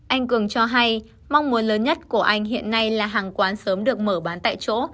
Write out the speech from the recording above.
anh cường cho hay mong muốn lớn nhất của anh hiện nay là hàng quán sớm được mở bán tại chỗ